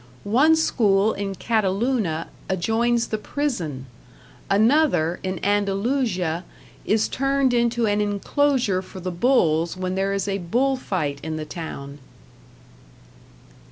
One school in Cataluna adjoins the prison. Another, in Andalusia, is turned into an enclosure for the bulls when there is a bull fight in the town.